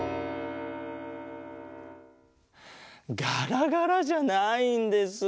ガラガラじゃないんです。